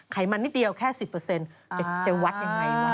ไขมันนิดเดียวแค่๑๐จะวัดยังไงวะ